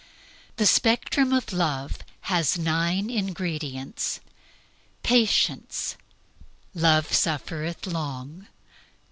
The Spectrum of Love has nine ingredients: Patience "Love suffereth long."